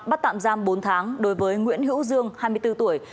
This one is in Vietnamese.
bắt tạm giam bốn tháng đối với nguyễn hữu dương hai mươi bốn tuổi